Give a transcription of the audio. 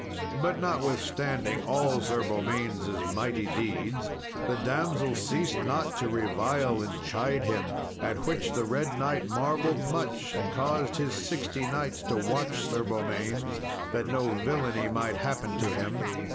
But notwithstanding all Sir Beaumains' mighty deeds, the damsel ceased not to revile and chide him, at which the Red Knight marvelled much; and caused his sixty knights to watch Sir Beaumains, that no villainy might happen to him.